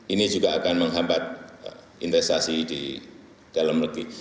ini juga akan menghambat investasi di dalam negeri